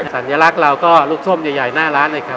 สัญลักษณ์เราก็ลูกส้มใหญ่หน้าร้านเลยครับ